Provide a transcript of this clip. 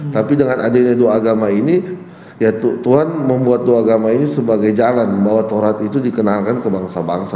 tapi dengan adanya dua agama ini ya tuhan membuat dua agama ini sebagai jalan bahwa torat itu dikenalkan ke bangsa bangsa